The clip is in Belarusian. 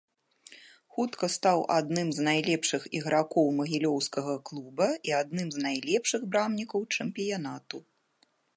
Хутка стаў адным з найлепшых ігракоў магілёўскага клуба і адным з найлепшых брамнікаў чэмпіянату.